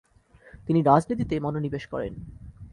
তিনি রাজনীতিতে মনোনিবেশ করেন।